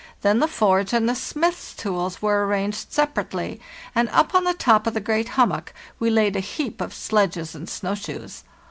Then the forge and the smith's tools were arranged separately, and up on the top of the great hummock we laid a heap of sledges and snow shoes.